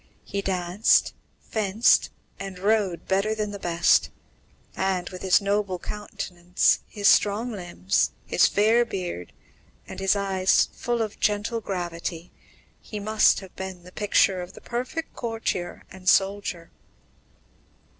He danced, fenced, and rode better than the best; and, with his noble countenance, his strong limbs, his fair beard, and his "eyes full of gentle gravity," he must have been the picture of the perfect courtier and soldier.